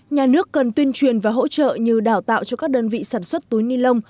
nhà nước cần tuyên truyền và hỗ trợ như đào tạo cho các đơn vị sản xuất túi ni lông